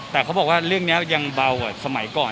แต่เขาบอกว่าเรื่องนี้ยังเบากว่าสมัยก่อน